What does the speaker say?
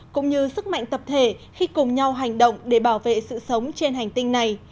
cũng như sức mạnh tập thể khi cùng nhau hành động để bảo vệ sự sống trên hành tinh này